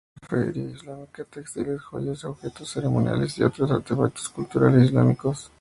El museo alberga alfarería islámica, textiles, joyas, objetos ceremoniales y otros artefactos culturales islámicos.